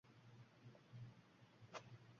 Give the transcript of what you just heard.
Nasl qoldirish masalasida ham huddi shunday